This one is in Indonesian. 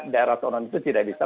daerah seorang itu tidak bisa